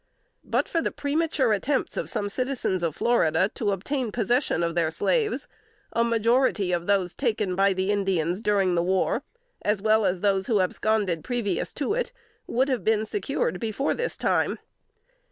But for the premature attempts of some citizens of Florida to obtain possession of their slaves, a majority of those taken by the Indians during the war, as well as those who absconded previous to it, would have been secured before this time.